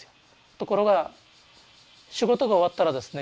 ところが仕事が終わったらですね